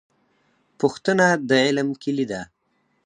پوښتنه د علم کیلي ده